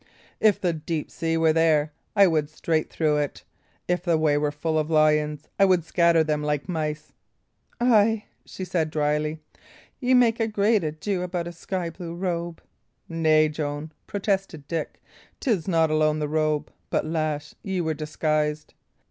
if the deep sea were there, I would straight through it; if the way were full of lions, I would scatter them like mice." "Ay," she said, dryly, "ye make a great ado about a sky blue robe!" "Nay, Joan," protested Dick, "'tis not alone the robe. But, lass, ye were disguised.